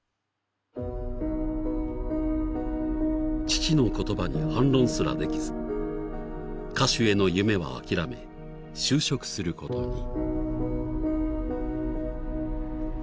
［父の言葉に反論すらできず歌手への夢は諦め就職することに］